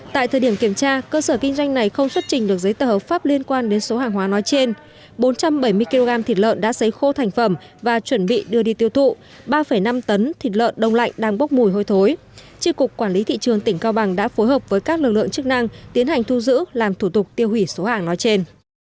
tại thời điểm kiểm tra cơ sở kinh doanh này không xuất trình được giấy tờ hợp pháp liên quan đến số hàng hóa nói trên bốn trăm bảy mươi kg thịt lợn đã xấy khô thành phẩm và chuẩn bị đưa đi tiêu thụ ba năm tấn thịt lợn đông lạnh đang bốc mùi hôi thối tri cục quản lý thị trường tỉnh cao bằng đã phối hợp với các lực lượng chức năng tiến hành thu giữ làm thủ tục tiêu hủy số hàng nói trên